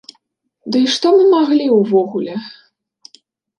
Ды і што мы маглі ўвогуле?